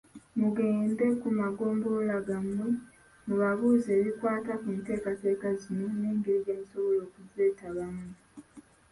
Mugende ku magombolola gammwe mubabuuze ebikwata ku nteekateeka zino n'engeri gyemusobola okuzeetabamu.